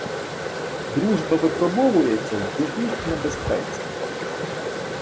Дружба випробовується в біді й небезпеці.